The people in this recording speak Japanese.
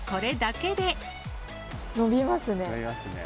伸びますね。